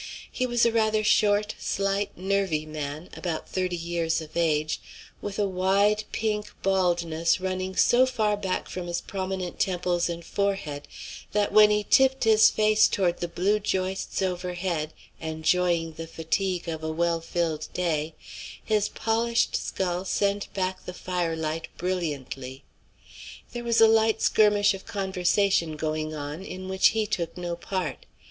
He was a rather short, slight, nervy man, about thirty years of age, with a wide pink baldness running so far back from his prominent temples and forehead that when he tipped his face toward the blue joists overhead, enjoying the fatigue of a well filled day, his polished skull sent back the firelight brilliantly. There was a light skirmish of conversation going on, in which he took no part.